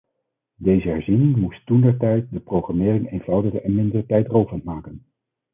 Deze herziening moest toentertijd de programmering eenvoudiger en minder tijdrovend maken.